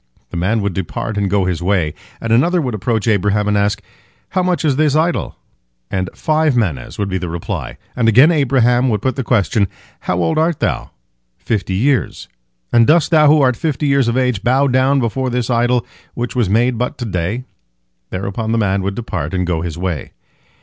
The man would depart and go his way, and another would approach Abraham, and ask, "How much is this idol?" and "Five manehs" would be the reply, and again Abraham would put the question, "How old art thou?"—"Fifty years."—"And dost thou who art fifty years of age bow down before this idol which was made but to day?" Thereupon the man would depart and go his way.